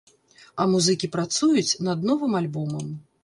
А музыкі працуюць над новым альбомам.